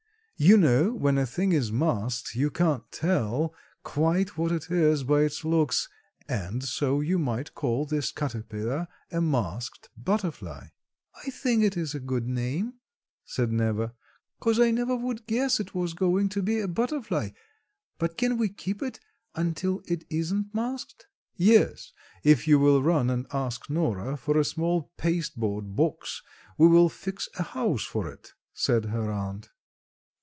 You know when a thing is masked you can't tell quite what it is by its looks and so you might call this caterpillar a masked butterfly." "I think it is a good name," said Neva, "'cause I never would guess it was going to be a butterfly; but can we keep it until it isn't masked?" "Yes, if you will run and ask Nora for a small pasteboard box we will fix a house for it," said her aunt.